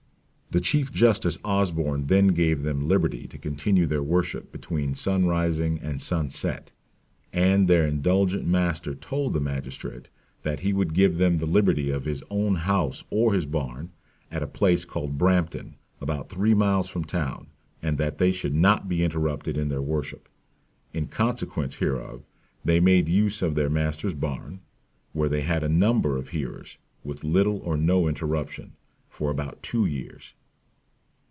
"The chief justice Osborne then gave them liberty to continue their worship between sunrising and sun set; and their indulgent master told the magistrate, that he would give them the liberty of his own house or his barn, at a place called Brampton, about three miles from town, and that they should not be interrupted in their worship. In consequence hereof, they made use of their masters barn, where they had a number of hearers, with little or no interruption, for about two years.